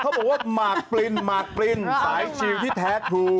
เขาบอกว่ามาร์คปรินสายชิลที่แท้ทู